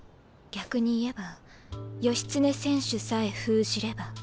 逆に言えば義経選手さえ封じれば。